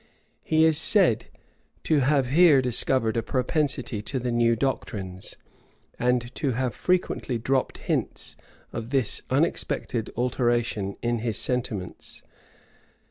He is said to have here discovered a propensity to the new doctrines, and to have frequently dropped hints of this unexpected alteration in his sentiments.